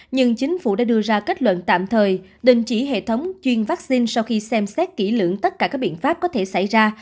nhưng chính phủ đã đưa ra kết luận tạm thời đình chỉ hệ thống chuyên vaccine sau khi xem xét kỹ lưỡng tất cả các biện pháp có thể xảy ra